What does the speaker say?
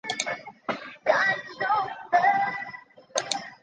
莱丰特内勒人口变化图示